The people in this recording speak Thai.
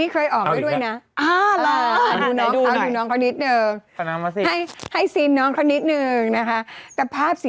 เกือบใจในรูปแบบ